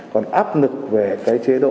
còn áp lực về cái chế độ